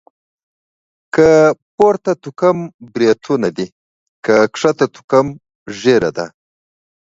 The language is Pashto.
که پورته توکم بريتونه دي.، که کښته توکم ږيره ده.